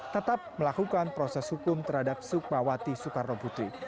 tetap melakukan proses hukum terhadap sukmawati soekarno putri